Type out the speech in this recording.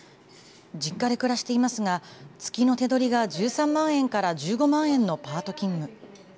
実家で暮らしていますが、月の手取りが１３万円から１５万円のパート勤務。